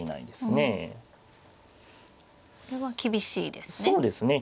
これは厳しいですね。